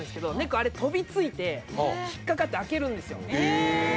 あれ飛びついて引っかかって開けるんですよへえ